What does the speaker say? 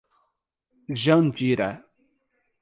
Jandira